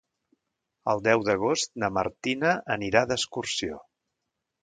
El deu d'agost na Martina anirà d'excursió.